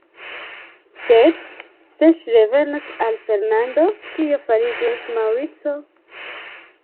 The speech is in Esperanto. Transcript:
Sed se ŝi revenos al Fernando, kio fariĝos Maŭrico?